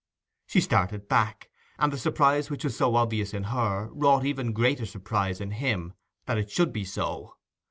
She started back, and the surprise which was so obvious in her wrought even greater surprise in him that it should be so.